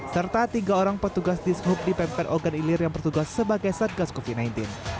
serta tiga orang petugas dishub di pemper ogan ilir yang bertugas sebagai satgas covid sembilan belas